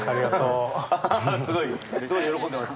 あすごい喜んでます